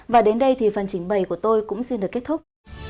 và đến đây thì phần trình bày của tôi cũng xin được kết thúc